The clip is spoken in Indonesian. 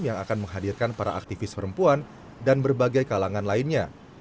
yang akan menghadirkan para aktivis perempuan dan berbagai kalangan lainnya